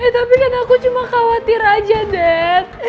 tapi kan aku cuma khawatir aja den